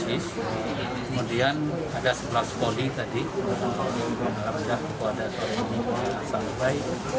kemudian ada sebelas poli tadi ada yang berharga ada yang tidak sampai